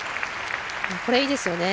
これ、いいですよね。